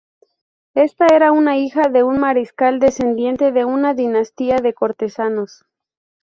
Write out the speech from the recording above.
Ésta era una hija de un mariscal descendiente de una dinastía de cortesanos.